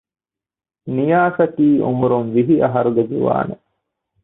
ނިޔާސަކީ އުމުރުން ވިހި އަހަރުގެ ޒުވާނެއް